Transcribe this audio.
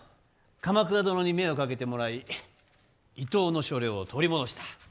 鎌倉殿に目をかけてもらい伊東の所領を取り戻した。